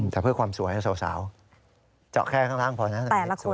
แต่เพื่อความสวยให้สาวเจาะแค่ข้างล่างพอนะสวย